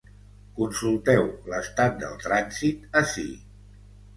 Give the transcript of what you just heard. Consulteu l’estat del trànsit ací.